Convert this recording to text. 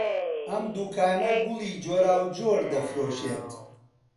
ئەم دوکانە گوڵی جۆراوجۆر دەفرۆشێت.